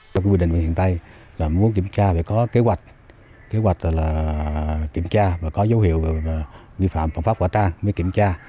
tôi quyết định hiện tại là muốn kiểm tra và có kế hoạch kiểm tra và có dấu hiệu vi phạm phòng pháp hỏa tan mới kiểm tra